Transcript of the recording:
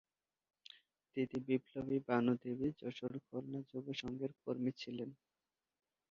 দিদি বিপ্লবী ভানু দেবী যশোর খুলনা যুব সংঘের কর্মী ছিলেন।